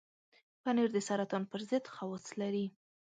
پنېر د سرطان پر ضد خواص لري.